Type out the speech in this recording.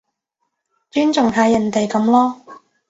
尊重下人哋噉囉